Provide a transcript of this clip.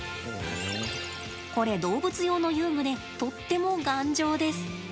これ動物用の遊具でとっても頑丈です。